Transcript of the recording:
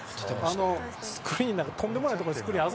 スクリーンなんかとんでもないとこにスクリーンあ